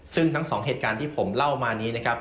ซึ่งทั้งสองเหตุการณ์ที่ผมเล่ามานี้นะครับ